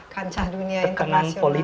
kancah dunia internasional